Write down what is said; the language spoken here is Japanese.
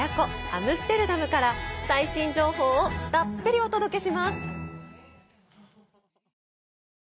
アムステルダムから最新情報をたっぷりお届けします！